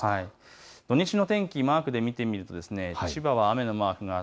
土日の天気、マークで見てみると千葉は雨のマーク。